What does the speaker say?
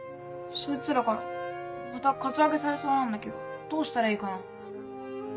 そいつらからまたカツアゲされそうなんだけどどうしたらいいかな？